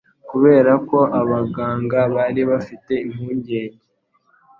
Kubera ko abaganga bari bafite impungenge